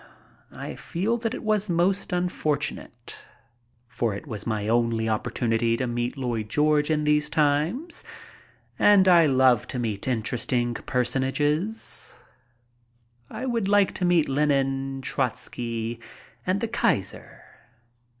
I feel that it was most unfortunate, for it was my only opportunity to meet s> ^ FAREWELLS TO PARIS AND LONDON 139 Lloyd George in these times, and I love to meet interesting personages. I would like to meet Lenin, Trotzky, and the Kaiser.